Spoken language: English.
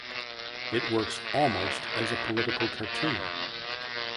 It works almost as a political cartoon.